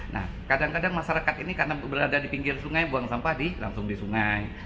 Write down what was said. nah kadang kadang masyarakat ini karena berada di pinggir sungai buang sampah langsung di sungai